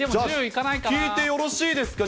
聞いてよろしいですか。